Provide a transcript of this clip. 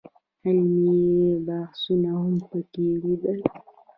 علمي بحثونه هم په کې کېدل.